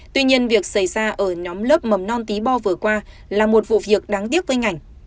tuy nhiên việc xảy ra ở nhóm lớp mầm non tí bo vừa qua là một vụ việc đáng tiếc với ngành